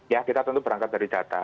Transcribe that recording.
ya kita tentu berangkat dari data